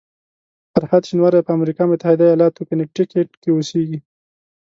فرهاد شینواری په امریکا متحده ایالاتو کنیټیکټ کې اوسېږي.